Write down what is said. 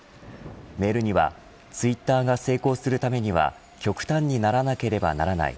メールにはツイッターが成功するためには極端にならなければならない。